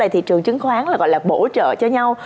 thị trường chứng khoán là gọi là bổ trợ cho nhau